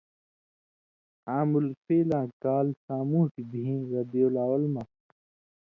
عام الفیلاں کال ساموٹھیۡ بِھیں(ربیع الاول) مہ